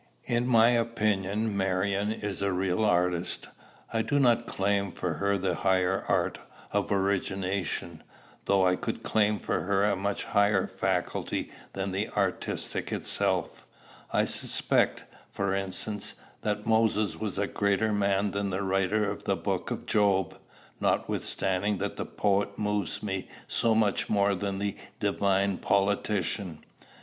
In my opinion Marion is a real artist. I do not claim for her the higher art of origination, though I could claim for her a much higher faculty than the artistic itself. I suspect, for instance, that Moses was a greater man than the writer of the Book of Job, notwithstanding that the poet moves me so much more than the divine politician.